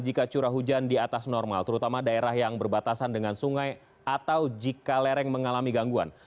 jika curah hujan di atas normal terutama daerah yang berbatasan dengan sungai atau jika lereng mengalami gangguan